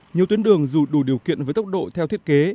nhiều tuyến đường dù đủ điều kiện với tốc độ theo thiết kế